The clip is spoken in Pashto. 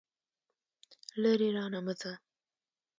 لرې رانه مه ځه.